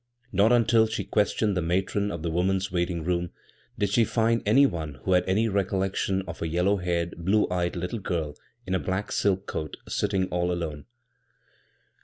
Not until she ques tioned the matron of the women's waiting room did she find any one who had any rec cdlecdon of a yellow h^red, blue eyed little girl in a black ^k coat sitting all alcme.